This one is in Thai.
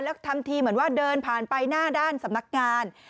แล้วทำทีเหมือนว่าเดินผ่านไปหน้าด้านสำนักงาน